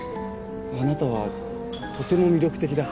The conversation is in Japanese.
あなたはとても魅力的だ。